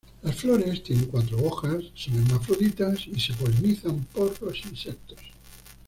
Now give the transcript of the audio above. Las flores tienen cuatro hojas, son hermafroditas y se polinizan por los insectos.